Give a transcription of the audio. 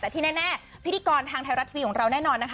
แต่ที่แน่พิธีกรทางไทยรัฐทีวีของเราแน่นอนนะคะ